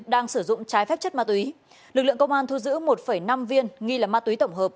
đang sử dụng trái phép chất ma túy lực lượng công an thu giữ một năm viên nghi là ma túy tổng hợp